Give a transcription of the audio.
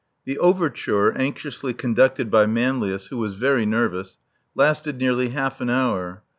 The overtaire, anxiously conducted by Manlius, who was very nervous, lasted nearly half an hour.